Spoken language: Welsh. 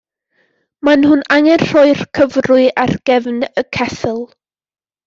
Maen nhw angen rhoi'r cyfrwy ar gefn y ceffyl.